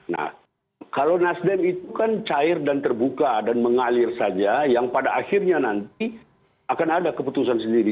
nah kalau nasdem itu kan cair dan terbuka dan mengalir saja yang pada akhirnya nanti akan ada keputusan sendiri